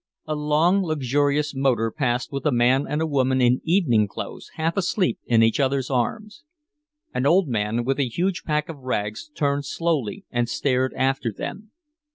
A long, luxurious motor passed with a man and a woman in evening clothes half asleep in each other's arms. An old man with a huge pack of rags turned slowly and stared after them.